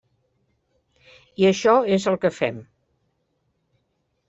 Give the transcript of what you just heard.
I això és el que fem.